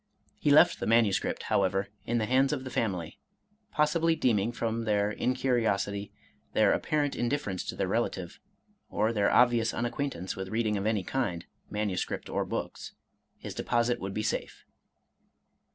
He left the manuscript, however, in the hands of the family, possibly deeming, from their incuri osity, their apparent indifference to their relative, or their obvious unacquaintance with reading of any kind, manu script or books, his deposit would be safe.